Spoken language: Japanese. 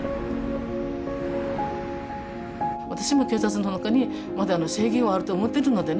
私も警察の中にまだ正義はあると思ってるのでね